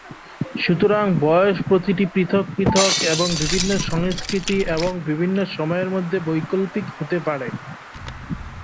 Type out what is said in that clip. সুতরাং বয়স প্রতিটি পৃথক পৃথক এবং বিভিন্ন সংস্কৃতি এবং বিভিন্ন সময়ের মধ্যে বৈকল্পিক হতে পারে।